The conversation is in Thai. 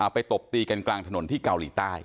ตบตีกันกลางถนนที่เกาหลีใต้